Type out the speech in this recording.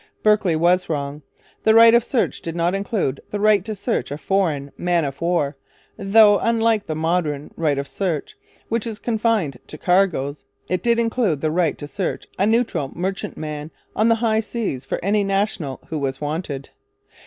Berkeley was wrong. The Right of Search did not include the right to search a foreign man of war, though, unlike the modern 'right of search,' which is confined to cargoes, it did include the right to search a neutral merchantman on the high seas for any 'national' who was 'wanted.'